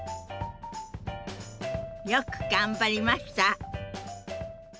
よく頑張りました！